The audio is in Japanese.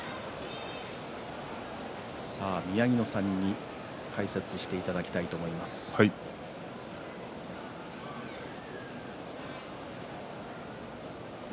宮城野さんに解説をしていただきたいんですが。